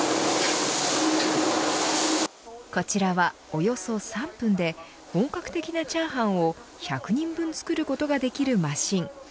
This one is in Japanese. こちらは、およそ３分で本格的なチャーハンを１００人分作ることができるマシン。